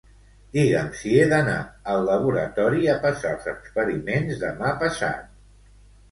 Digue'm si he d'anar al laboratori a passar els experiments demà passat.